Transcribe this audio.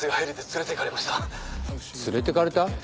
連れてかれた？